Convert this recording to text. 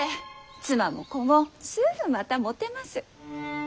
妻も子もすぐまた持てます。